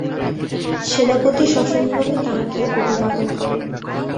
সেনাপতি সসম্ভ্রমে তাঁহাকে অভিবাদন করেন।